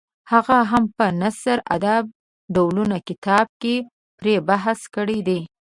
هغه هم په نثري ادب ډولونه کتاب کې پرې بحث کړی دی.